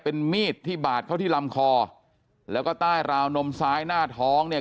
เป็นมีดที่บาดเข้าที่ลำคอแล้วก็ใต้ราวนมซ้ายหน้าท้องเนี่ย